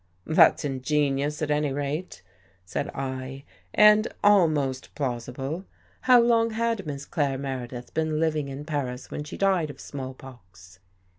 " That's ingenious at any rate," said I, " and al most plausible. How long had Miss Claire Mere dith been living in Paris when she died of small pox?"